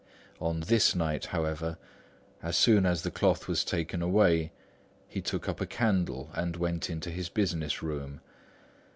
On this night however, as soon as the cloth was taken away, he took up a candle and went into his business room.